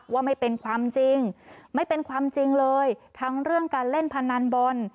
ว่าไม่เป็นความจริงไม่เป็นความจริงเลยทั้งเรื่องการเล่นพนันบอล